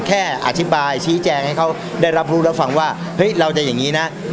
แค่อธิบายชี้แจงไอ้เขาได้รับรู้แล้วฟังเราจะอย่างงี้นะ